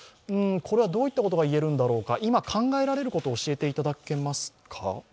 これはどういったことが言えるんだろうか、今考えられることを教えていただけますか？